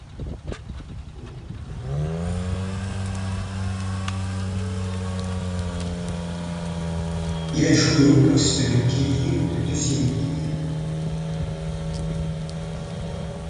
Il a joué au poste de pilier ou de deuxième ligne.